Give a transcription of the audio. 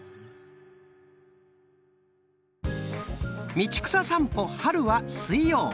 「道草さんぽ・春」は水曜。